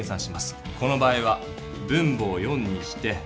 この場合は分母を４にしてたす1/4。